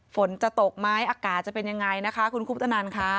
ฝนจะตกมั้ยอากาศจะเป็นอย่างไรคุณคุพธนานค่ะ